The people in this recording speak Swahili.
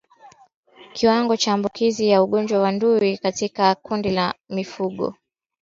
Kiwango cha maambukizi ya ugonjwa wa ndui katika kundi la mifugo